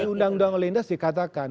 kalau ini uu lendas dikatakan